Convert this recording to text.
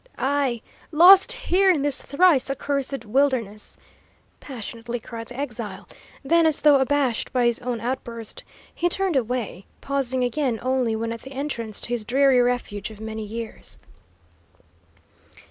"Ay! lost here in this thrice accursed wilderness!" passionately cried the exile; then, as though abashed by his own outburst, he turned away, pausing again only when at the entrance to his dreary refuge of many years.